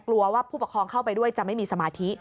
กลัวว่าผู้ปกครองเข้าไปด้วยจะไม่มีสมาธิ